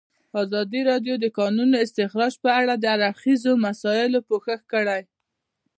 ازادي راډیو د د کانونو استخراج په اړه د هر اړخیزو مسایلو پوښښ کړی.